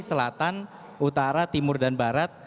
selatan utara timur dan barat